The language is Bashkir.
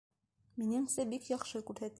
Минеңсә, бик яҡшы күрһәткес.